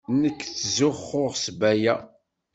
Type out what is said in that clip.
Nekk ttzuxxuɣ s Baya.